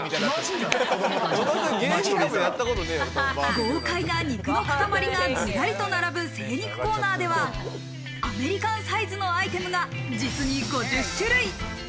豪快な肉の塊がずらりと並ぶ精肉コーナーではアメリカンサイズのアイテムが実に５０種類。